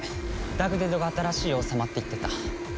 ダグデドが新しい王様って言ってた。